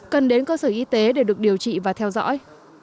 cần đến cơ sở y tế để được điều trị và theo dõi